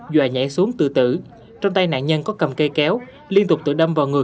doài nhảy xuống tự tử trong tay nạn nhân có cầm cây kéo liên tục tự đâm vào người